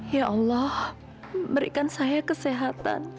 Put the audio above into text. ya allah berikan saya kesehatan